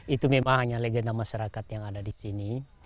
itu memang hanya legenda masyarakat yang ada di sini